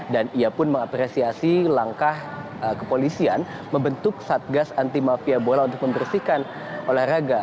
dan ia pun mengapresiasi langkah kepolisian membentuk satgas anti mafia bola untuk membersihkan olahraga